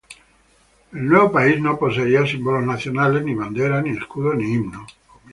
El nuevo país no poseía símbolos nacionales: ni bandera, ni escudo, ni himno.